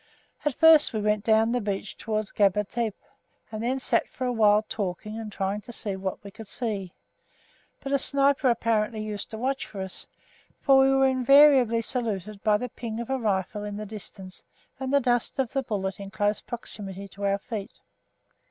At first we went down the beach towards Gaba Tepe, and then sat for a while talking and trying to see what we could see; but a sniper apparently used to watch for us, for we were invariably saluted by the ping of a rifle in the distance and the dust of the bullet in close proximity to our feet.